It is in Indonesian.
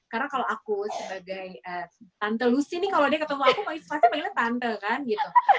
karena kalau aku sebagai tante lucy nih kalau dia ketemu aku pasti panggilnya tante kan gitu